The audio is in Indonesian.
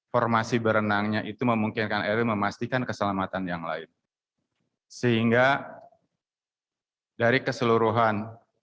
formasi berenangnya itu memungkinkan eril memastikan keselamatan yang lain sehingga dari keseluruhan